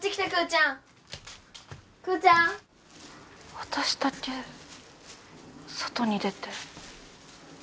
私だけ外に出て。